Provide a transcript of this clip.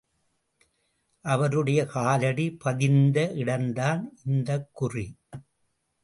அவருடைய காலடி பதிந்த இடந்தான் இந்த குறி.